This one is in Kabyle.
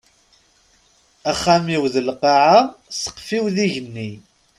Axxam-iw d lqaɛa, sqef-iw d igenni.